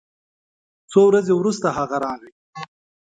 څو ورځې وروسته هغه راغی